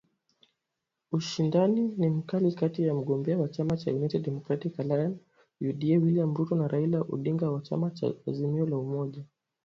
Ushindani ni mkali kati ya mgombea wa chama cha United Democratic Alliance (UDA) William Ruto na Raila Amollo Odinga wa chama cha Azimio la Umoja